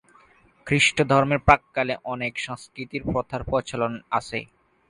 খ্রিস্টধর্মের প্রাক্কালে অনেক সাংস্কৃতিক প্রথার প্রচলন আছে।